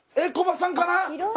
いこばさんかな？